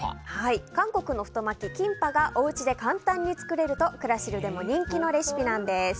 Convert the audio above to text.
韓国の太巻き、キンパがおうちで簡単に作れるとクラシルでも人気のレシピなんです。